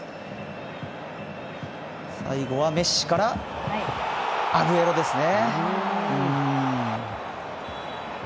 最後はメッシからアグエロですね。